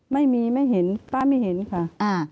ไม่มีไม่เห็นป้าไม่เห็นค่ะ